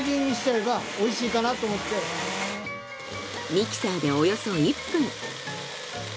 ミキサーでおよそ１分。